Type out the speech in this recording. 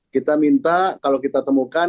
kita minta kalau kita temukan